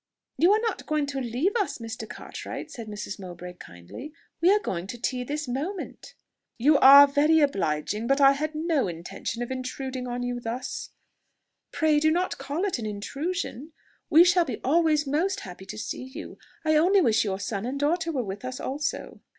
"You are not going to leave us, Mr. Cartwright?" said Mrs. Mowbray kindly. "We are going to tea this moment." "You are very obliging; but I had no intention of intruding on you thus." "Pray do not call it an intrusion. We shall be always most happy to see you. I only wish your son and daughter were with us also."